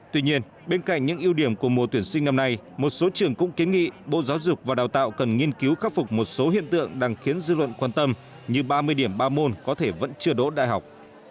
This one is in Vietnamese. tuy nhiên bên cạnh những ưu điểm của mùa tuyển sinh năm nay một số trường cũng kiến nghị bộ giáo dục và đào tạo cần nghiên cứu khắc phục một số hiện tượng đang khiến dư luận quan tâm như ba mươi điểm ba môn có thể vẫn chưa đỗ đại học